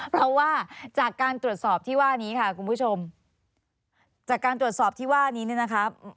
เพราะว่าจากการตรวจสอบที่ว่านี้ค่ะคุณผู้ชมจากการตรวจสอบที่ว่านี้เนี่ยนะคะ